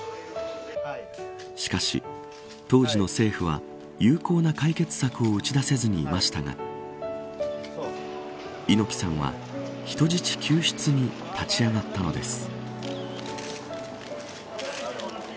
しかし、当時の政府は有効な解決策を打ち出せずにいましたが猪木さんは、人質救出に立ち上がったのです。